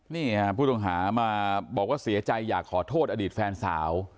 นี่ฮะผู้ต้องหามาบอกว่าเสียใจอยากขอโทษอดีตแฟนสาว